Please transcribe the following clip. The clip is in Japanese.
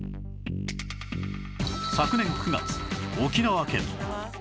昨年９月沖縄県